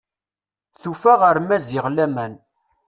Tufa ɣer Maziɣ laman.